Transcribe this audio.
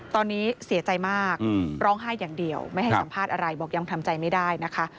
ตอนนี้เสียใจมากร้องไห้อย่างเดียวไม่ให้สัมภาษณ์อะไรบอกยังทำใจไม่ได้นะคะ